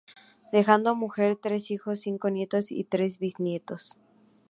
Dejando mujer, tres hijos, cinco nietos y tres bisnietos.